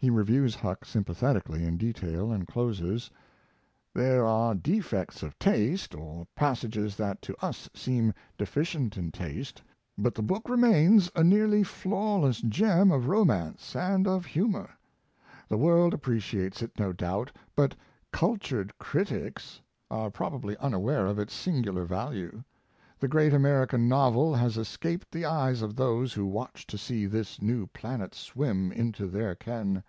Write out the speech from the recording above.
He reviews Huck sympathetically in detail, and closes: There are defects of taste, or passages that to us seem deficient in taste, but the book remains a nearly flawless gem of romance and of humor. The world appreciates it, no doubt, but "cultured critics" are probably unaware of its singular value. The great American novel has escaped the eyes of those who watch to see this new planet swim into their ken.